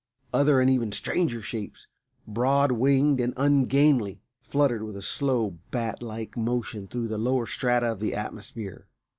Other and even stranger shapes, broad winged and ungainly, fluttered with a slow, bat like motion through the lower strata of the atmosphere.